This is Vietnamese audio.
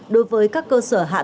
đối với các cơ sở hạ tầng thông tin